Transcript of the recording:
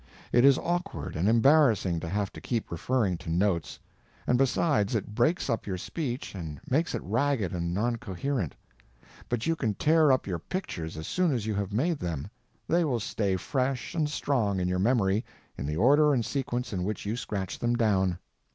It is awkward and embarrassing to have to keep referring to notes; and besides it breaks up your speech and makes it ragged and non coherent; but you can tear up your pictures as soon as you have made them—they will stay fresh and strong in your memory in the order and sequence in which you scratched them down.